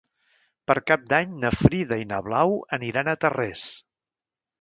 Per Cap d'Any na Frida i na Blau aniran a Tarrés.